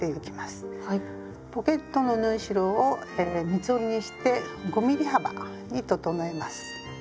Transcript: ポケットの縫い代を三つ折りにして５ｍｍ幅に整えます。